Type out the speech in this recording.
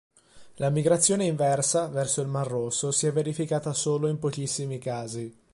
La migrazione inversa, verso il mar Rosso, si è verificata solo in pochissimi casi.